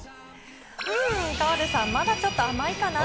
うーん、河出さん、まだちょっと甘いかな。